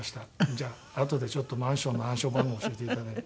じゃああとでちょっとマンションの暗証番号教えていただいて。